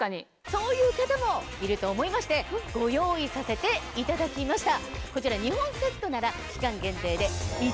そういう方もいると思いましてご用意させていただきました。